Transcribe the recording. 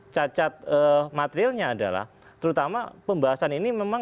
cacat materialnya adalah terutama pembahasan ini memang